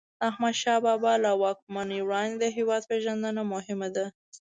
د احمدشاه بابا له واکمنۍ وړاندې د هیواد پېژندنه مهم ده.